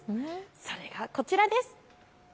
それがこちらです。